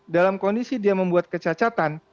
dalam kondisi dia membuat kecacatan